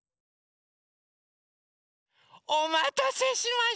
おまたせしました！